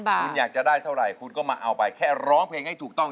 คุณอยากจะได้เท่าไหร่คุณก็มาเอาไปแค่ร้องเพลงให้ถูกต้อง